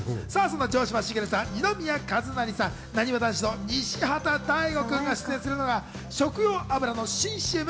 城島茂さん、二宮和也さん、なにわ男子の西畑大吾さんが出演するのは食用油の新ＣＭ。